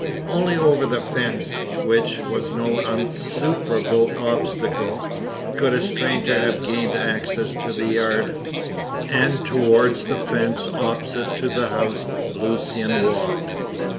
Only over the fence which was no insuperable obstacle could a stranger have gained access to the yard; and towards the fence opposite to the house Lucian walked.